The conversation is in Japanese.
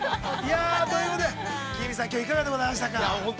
ということでＫＩＭＩさん、きょうはいかがでございましたか？